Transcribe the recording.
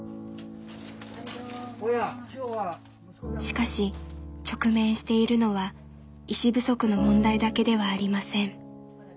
しかし直面しているのは医師不足の問題だけではありません。